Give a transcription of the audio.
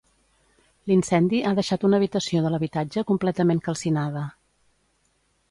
L'incendi ha deixat una habitació de l'habitatge completament calcinada.